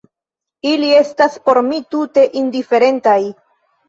Ili estas por mi tute indiferentaj.